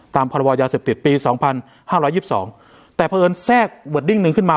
ตามภารวรยาเสพติดปีสองพันห้าร้อยยิบสองแต่เพราะเอิญแทรกเวอร์ดดิ้งหนึ่งขึ้นมา